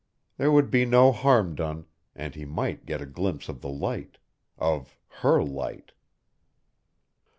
There would be no harm done, and he might get a glimpse of the light, of her light.